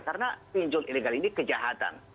karena pinjol ilegal ini kejahatan